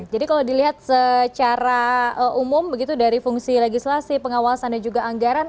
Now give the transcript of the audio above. jadi kalau dilihat secara umum begitu dari fungsi legislasi pengawasan dan juga anggaran